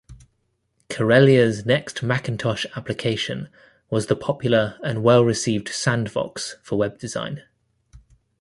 Karelia's next Macintosh application was the popular and well-received Sandvox for web design.